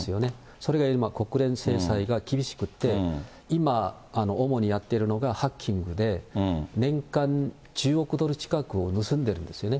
それが今、国連制裁が厳しくて、今、主にやってるのがハッキングで、年間１０億ドル近くを盗んでるんですよね。